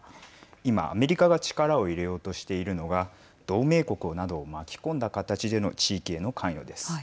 今、アメリカが力を入れようとしているのが同盟国などを巻き込んだ形での地域への関与です。